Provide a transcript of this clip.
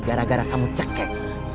gara gara kamu cekek